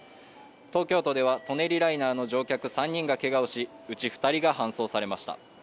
東京都では舎人ライナーの乗客３人がけがをしうち２人が搬送されました。